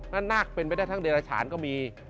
และนาคเป็นไปได้ทั้งเดรฐานก็มี